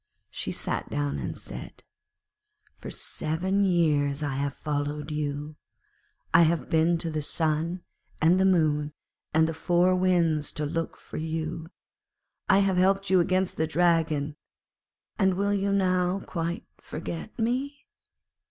She sat down and said: 'For seven years I have followed you. I have been to the Sun, and the Moon, and the Four Winds to look for you. I have helped you against the Dragon, and will you now quite forget me?'